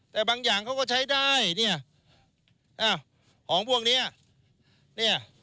แต่บางอย่างเขาก็ใช้ได้เนี่ยอ้าวของพวกเนี้ยเนี่ย